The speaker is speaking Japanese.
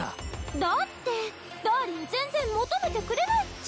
だってダーリン全然求めてくれないっちゃ。